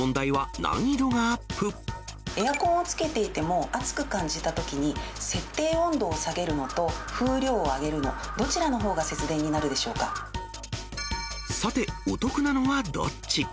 エアコンをつけていても、暑く感じたときに、設定温度を下げるのと、風量を上げるの、どちらのほうが節電になさて、お得なのはどっち？